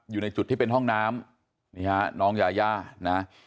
อยู่ในจุดที่เป็นห้องน้ำนี่ฮะน้องยาย่านะ